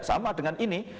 sama dengan ini